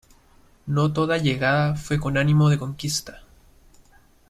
No toda llegada fue con animo de conquista.